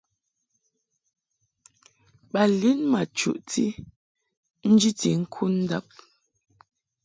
Ba lin ma chuʼti njiti ŋkud ndab.